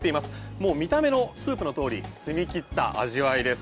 もう見た目のスープの通り澄み切った味わいです。